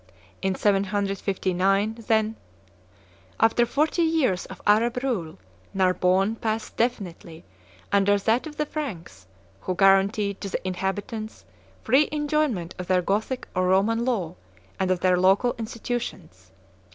In 759, then, after forty years of Arab rule, Narbonne passed definitively under that of the Franks, who guaranteed to the inhabitants free enjoyment of their Gothic or Roman law and of their local institutions.